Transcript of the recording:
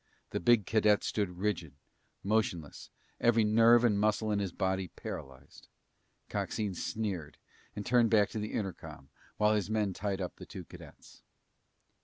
The big cadet stood rigid, motionless, every nerve and muscle in his body paralyzed. Coxine sneered and turned back to the intercom while his men tied up the two cadets.